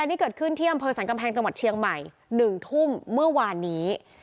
นี่เกิดขึ้นที่อำเภอสรรกำแพงจังหวัดเชียงใหม่๑ทุ่มเมื่อวานนี้